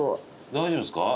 大丈夫ですか？